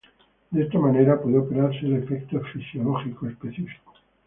De esta manera, puede operarse el efecto fisiológico específico.